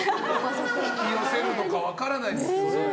引き寄せるのか分からないですけどそれはね。